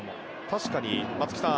確かに松木さん